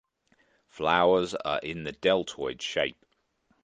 Flowers are in the deltoid shape.